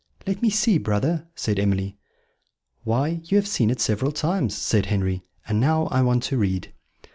"Let me see, brother," said Emily. "Why, you have seen it several times," said Henry; "and now I want to read."